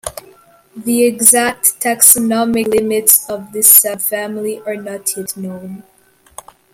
The exact taxonomic limits of the subfamily are not yet known.